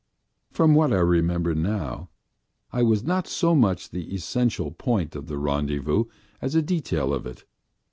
From what I remember now, I was not so much the essential point of the rendezvous as a detail of it.